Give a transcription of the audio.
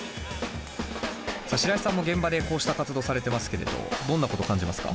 さあ白井さんも現場でこうした活動されてますけれどどんなこと感じますか？